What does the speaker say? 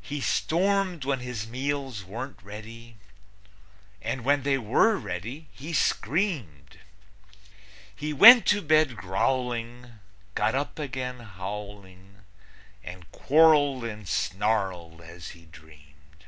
He stormed when his meals weren't ready, And when they were ready, he screamed. He went to bed growling, got up again howling And quarreled and snarled as he dreamed.